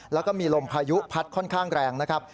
แล้วก็มีลมพายุพัดค่อนข้างแรงนะครับ